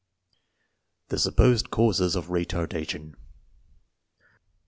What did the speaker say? The supposed causes of retardation.